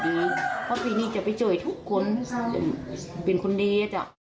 เพราะปีนี้จะไปช่วยทุกคนเป็นคนดีจ้ะ